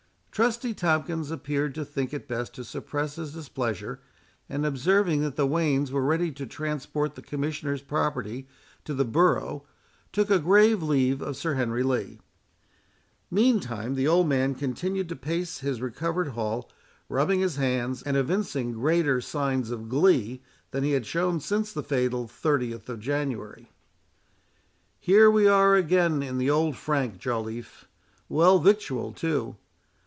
Trusty Tomkins appeared to think it best to suppress his displeasure; and observing that the wains were ready to transport the Commissioners' property to the borough, took a grave leave of Sir Henry Lee. Meantime the old man continued to pace his recovered hall, rubbing his hands, and evincing greater signs of glee than he had shown since the fatal 30th of January. "Here we are again in the old frank, Joliffe; well victualled too.